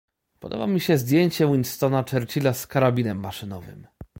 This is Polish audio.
Podoba mi się zdjęcie Winstona Churchila z karabinem maszynowym.